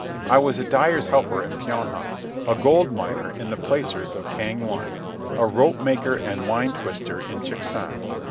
I was a dyer's helper in Pyonhan, a gold miner in the placers of Kang wun, a rope maker and twine twister in Chiksan.